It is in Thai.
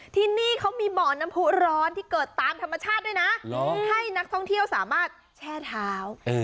ที่นี่เขามีบ่อน้ำผู้ร้อนที่เกิดตามธรรมชาติด้วยนะให้นักท่องเที่ยวสามารถแช่เท้า